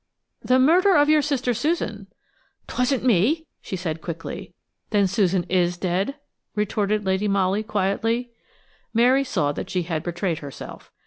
"The murder of your sister Susan." "'Twasn't me!" she said quickly. "Then Susan is dead?" retorted Lady Molly, quietly. Mary saw that she had betrayed herself.